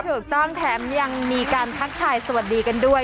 ถูกต้องแถมยังมีการทักทายสวัสดีกันด้วย